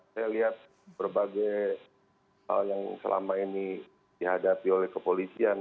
saya lihat berbagai hal yang selama ini dihadapi oleh kepolisian